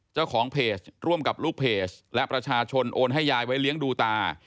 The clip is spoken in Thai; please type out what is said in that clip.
เจ้าของเพจร่วมกับลูกเพจและประชาชนโอนให้ยายไว้เลี้ยงดูตา